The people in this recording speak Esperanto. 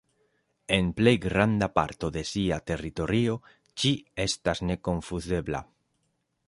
En plej granda parto de sia teritorio ĝi estas nekonfuzebla.